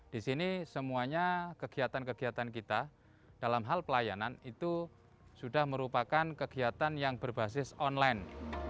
di sini semuanya kegiatan kegiatan kita dalam hal pelayanan itu sudah merupakan kegiatan yang berbasis online